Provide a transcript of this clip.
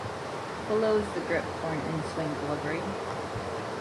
Below is the grip for an inswing delivery.